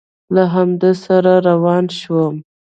له همده سره روان شوم.